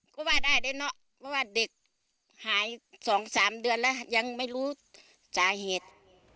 ใช่สองสามเดือนแล้วยังไม่รู้จ่ายเหตุ